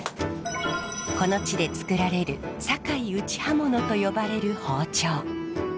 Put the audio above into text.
この地で作られる堺打刃物と呼ばれる包丁。